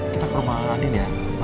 kita ke rumah andin ya